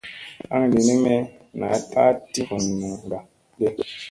Aŋ lini me naa dew a ti vunuŋga ge ?